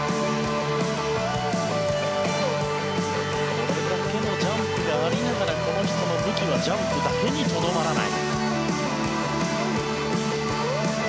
これだけのジャンプがありながらこの人の武器はジャンプだけにとどまらない。